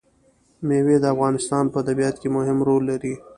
مېوې د افغانستان په طبیعت کې مهم رول لري.